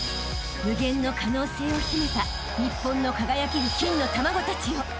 ［無限の可能性を秘めた日本の輝ける金の卵たちよ］